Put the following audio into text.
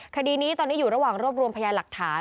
คดีนี้ตอนนี้อยู่ระหว่างรวบรวมพยานหลักฐาน